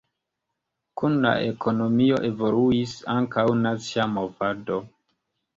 Kun la ekonomio evoluis ankaŭ nacia movado.